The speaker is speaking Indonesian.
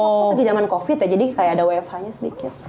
oh lagi jaman covid ya jadi kayak ada wfh nya sedikit